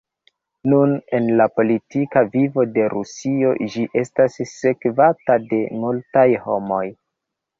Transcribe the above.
Nun en la politika vivo de Rusio ĝi estas sekvata de multaj homoj.